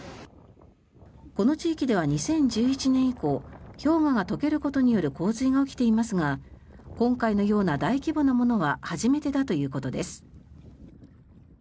この地域では２０１１年以降氷河が解けることによる洪水が起きていますが今回のような大規模なものは初めてだということです。